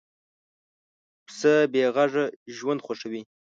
پسه بېغږه ژوند خوښوي.